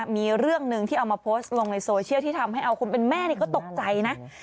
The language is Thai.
มีเรื่องหนึ่งที่เอามาโพสต์ลงในโซเชียลที่ทำให้เอาคนเป็นแม่นี่ก็ตกใจนะ